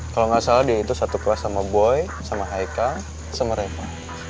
kalau nggak salah dia itu satu kelas sama boy sama haika sama reva